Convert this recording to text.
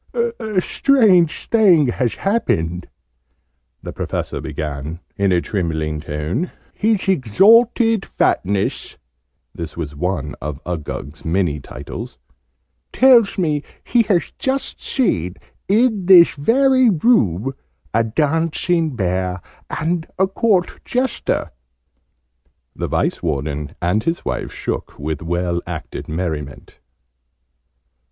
"A strange thing has happened!" the Professor began in a trembling tone. "His Exalted Fatness" (this was one of Uggug's many titles) "tells me he has just seen, in this very room, a Dancing Bear and a Court Jester!" The Vice Warden and his wife shook with well acted merriment.